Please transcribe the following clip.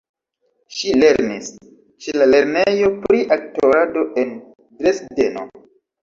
Ŝi lernis ĉe la lernejo pri aktorado en Dresdeno.